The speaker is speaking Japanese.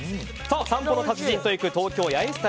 散歩の達人と行く東京・八重洲旅